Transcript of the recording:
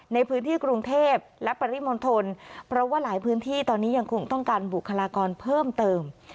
ในพื้นที่กรุงเทพและปริมณฑลเพราะว่าหลายพื้นที่ตอนนี้ยังคงต้องการบุคลากรเพิ่มเติม